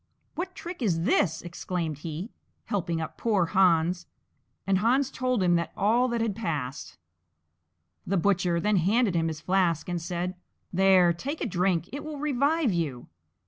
"What trick is this!" exclaimed he, helping up poor Hans; and Hans told him that all that had passed. The Butcher then handed him his flask and said, "There, take a drink; it will revive you.